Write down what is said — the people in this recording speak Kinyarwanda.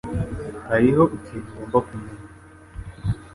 Hariho ikintu ugomba kumenya.